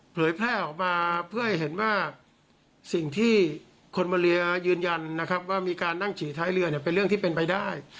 เผยแพร่ออกมาเพื่อให้เห็นว่าสิ่งที่คนบนเรือยืนยันนะครับว่ามีการนั่งฉี่ท้ายเรือเนี่ยเป็นเรื่องที่เป็นไปได้